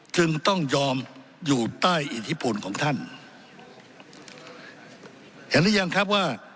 จึงต้องยอมอยู่ใต้อิทธิพลของท่านเห็นหรือยังครับว่า